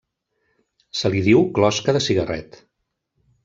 Se li diu closca de cigarret.